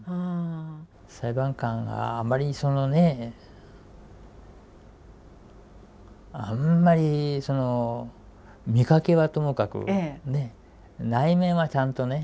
裁判官があまりそのねあんまりその見かけはともかくね内面はちゃんとね